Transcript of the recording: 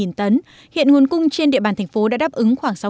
hiện nguồn cung trên địa bàn thành phố đã đáp ứng khoảng sáu mươi